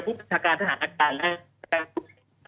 ผู้บัญชาการทหารอาการและทหารสูงสุด